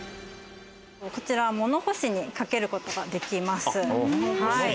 こちら物干しにかけることができます。